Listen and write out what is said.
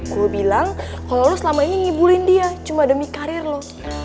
gue bilang kalo lo selama ini ngibulin dia cuma demi karir lo